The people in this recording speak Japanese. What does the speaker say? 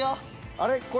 あれ？